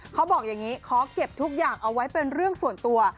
เขาบอกอย่างนี้ขอเก็บทุกอย่างเอาไว้เป็นเรื่องส่วนตัว